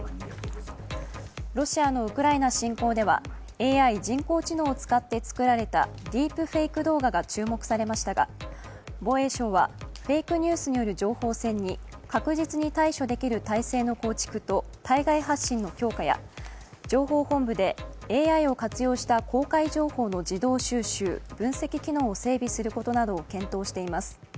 ロシアのウクライナ侵攻ではＡＩ＝人工知能を使って作られたディープフェイク動画が注目されましたが防衛省はフェイクニュースによる情報戦に確実に対処できる体制の構築と対外発信の強化や、情報本部でＡＩを活動した公開情報の自動収集・分析機能を整備することなどを検討しています。